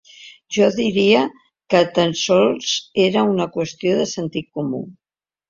Jo diria que tan sols era una qüestió de sentit comú.